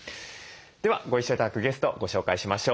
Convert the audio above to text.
ではご一緒頂くゲストご紹介しましょう。